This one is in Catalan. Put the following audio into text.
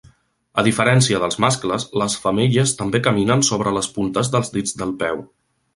A diferència dels mascles, les femelles també caminen sobre les puntes dels dits del peu.